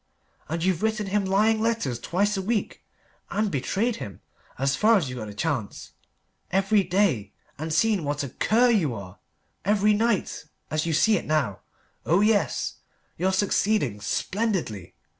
And you've written him lying letters twice a week, and betrayed him, as far as you got the chance, every day, and seen what a cur you are, every night, as you see it now. Oh, yes you're succeeding splendidly.